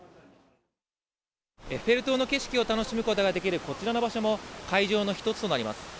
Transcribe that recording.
エッフェル塔の景色を楽しむことができるこちらの場所も、会場の一つとなります。